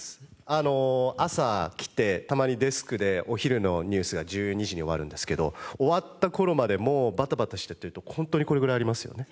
あの朝来てたまにデスクでお昼のニュースが１２時に終わるんですけど終わった頃までもうバタバタしてると本当にこれぐらいありますよね。